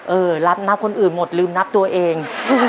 เออรับนับคนอื่นหมดลืมนับตัวเอง